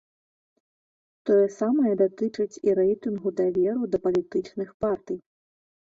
Тое самае датычыць і рэйтынгу даверу да палітычных партый.